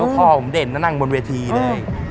เพราะพ่อผมได้เห็นนั่งบนเวทีเลย